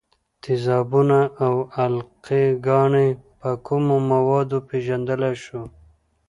تیزابونه او القلي ګانې په کومو موادو پیژندلای شو؟